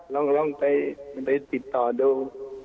ลองไปติดต่อดู